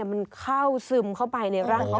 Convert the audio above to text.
มันเข้าซึมเข้าไปร่างกายกัน